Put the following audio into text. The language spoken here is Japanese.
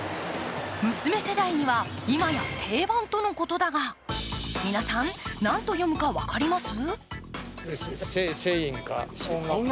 娘世代には、今や定番とのことだが皆さん、何と読むか、分かります？